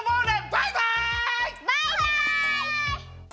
バイバイ！